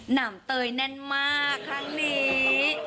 ห่ำเตยแน่นมากครั้งนี้